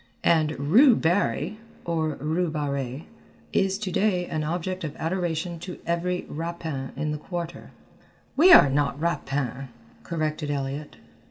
"And Roo Barry, or Rue Barrée, is to day an object of adoration to every rapin in the Quarter " "We are not rapins," corrected Elliott.